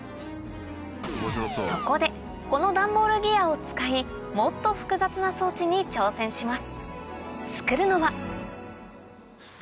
そこでこのダンボールギヤを使いもっと複雑な装置に挑戦します